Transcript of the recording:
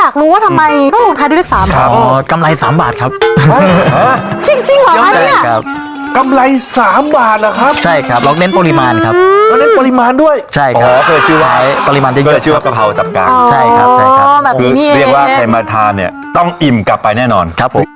คือเรียกว่าใครมาทานี้ต้องอิ่มกลับไปแน่นอน